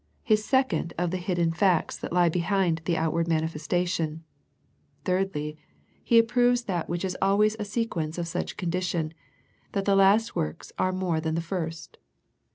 His second of the hidden facts that lie behind the outward manifestation. Thirdly, He approves that which is always a 114 A. First Century Message sequence of such condition, that the last works are more than the first.